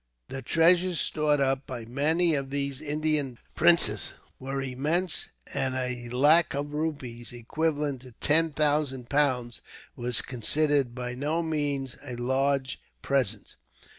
The treasures stored up by many of these Indian princes were immense, and a lac of rupees, equivalent to ten thousand pounds, was considered by no means a large present.